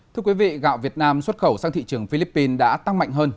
thưa quý vị gạo việt nam xuất khẩu sang thị trường philippines đã tăng mạnh hơn